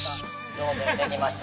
上手にできました。